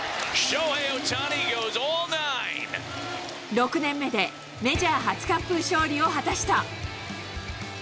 ６年目でメジャー初完封勝利を果たした。